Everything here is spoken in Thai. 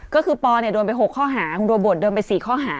ก็คือปอโดนไป๖ข้อหาคุณโรเบิร์ตโดนไป๔ข้อหา